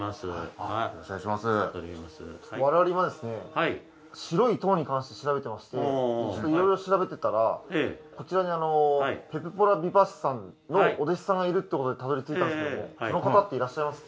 我々今ですね白い塔に関して調べてまして色々調べてたらこちらにペルポラ・ビパッシさんのお弟子さんがいるってことでたどり着いたんですけどもその方っていらっしゃいます？